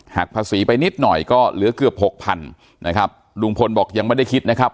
ภาษีไปนิดหน่อยก็เหลือเกือบหกพันนะครับลุงพลบอกยังไม่ได้คิดนะครับ